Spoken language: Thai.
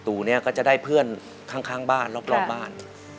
ตู่เนี่ยก็จะได้เพื่อนข้างบ้านรอบบ้าน